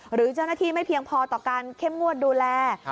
หรือเจ้าหน้าที่ไม่เพียงพอต่อการเข้มงวดดูแล